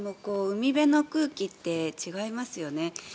海辺の空気って違いますよね。